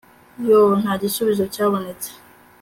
yoo, nta gisubizo cyabonetse